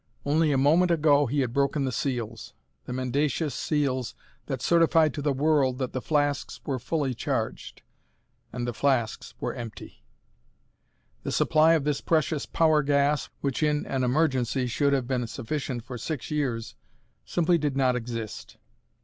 Only a moment ago he had broken the seals the mendacious seals that certified to the world that the flasks were fully charged. And the flasks were empty! The supply of this precious power gas, which in an emergency should have been sufficient for six years, simply did not exist.